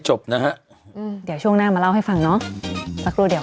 จบนะฮะอืมเดี๋ยวช่วงหน้ามาเล่าให้ฟังเนอะสักครู่เดี๋ยว